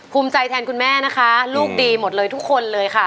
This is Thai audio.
ภูมิใจแทนคุณแม่นะคะลูกดีหมดเลยทุกคนเลยค่ะ